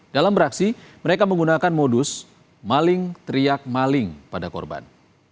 dalam beraksi mereka menggunakan modus maling teriak maling pada korban